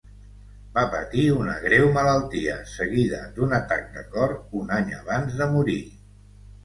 Va patir una greu malaltia seguida d'un atac de cor un any abans de morir.